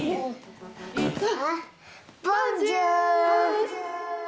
ボンジュール！